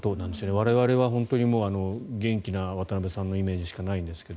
我々は本当に元気な渡辺さんのイメージしかないんですが。